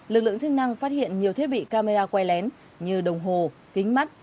lực lượng chức năng phát hiện nhiều thiết bị camera quay lén như đồng hồ kính mắt